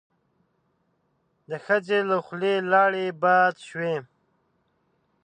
د ښځې له خولې لاړې باد شوې.